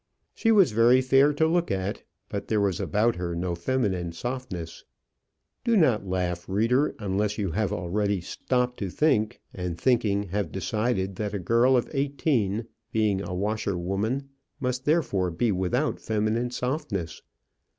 She was very fair to look at, but there was about her no feminine softness. Do not laugh, reader, unless you have already stopped to think, and, thinking, have decided that a girl of eighteen, being a washerwoman, must therefore be without feminine softness.